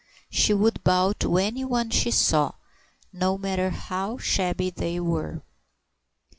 She would bow to anyone she saw, no matter how shabby they were.